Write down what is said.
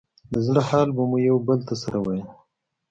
د زړه حال به مو يو بل ته سره ويل.